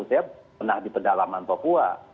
saya pernah di pedalaman papua